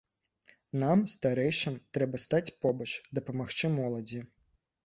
Нам, старэйшым, трэба стаць побач, дапамагчы моладзі.